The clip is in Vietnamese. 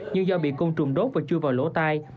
nhưng do bị côn trùng đốt và chui vào lỗ tai